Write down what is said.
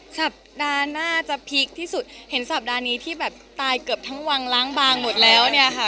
สัปดาห์หน้าจะพีคที่สุดเห็นสัปดาห์นี้ที่แบบตายเกือบทั้งวังล้างบางหมดแล้วเนี่ยค่ะ